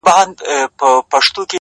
ملنگ خو دي وڅنگ ته پرېږده;